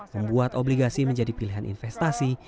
membuat obligasi menjadi pilihan investasi